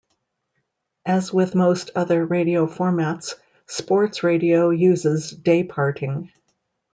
As with most other radio formats, sports radio uses dayparting.